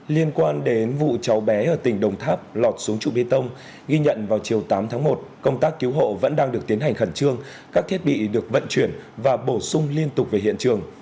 liên quan đến vụ cháu bé ở tỉnh đồng tháp lọt xuống trụ bê tông ghi nhận vào chiều tám tháng một công tác cứu hộ vẫn đang được tiến hành khẩn trương các thiết bị được vận chuyển và bổ sung liên tục về hiện trường